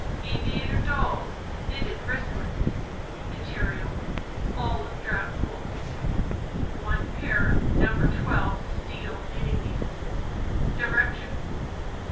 war. Aviator Doll's Knitted Wristlets Material: Olive drab wool. One pair No. 12 steel knit ting needles. Directions: 1.